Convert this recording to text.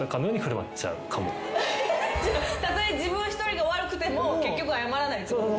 たとえ自分一人が悪くても結局謝らないってことですね。